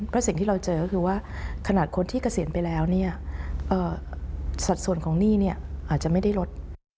เพราะสิ่งที่เราเจอก็คือว่าขนาดคนที่เกษียณไปแล้วเนี่ยสัดส่วนของหนี้เนี่ยอาจจะไม่ได้ลด